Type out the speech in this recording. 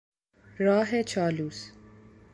راه چالوس